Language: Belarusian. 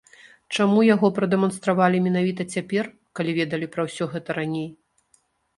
Чаму яго прадэманстравалі менавіта цяпер, калі ведалі пра ўсё гэта раней?